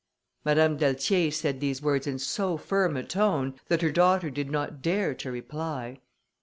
Madame d'Altier said these words in so firm a tone, that her daughter did not dare to reply.